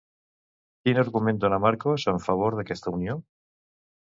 Quin argument dona Marcos en favor d'aquesta unió?